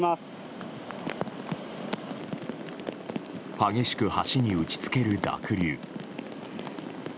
激しく橋に打ち付ける濁流。